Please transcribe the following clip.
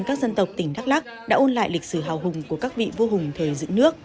các dân tộc tỉnh đắk lắc đã ôn lại lịch sử hào hùng của các vị vua hùng thời dựng nước